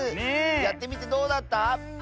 やってみてどうだった？